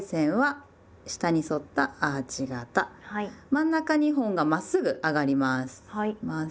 真ん中２本がまっすぐ上がります。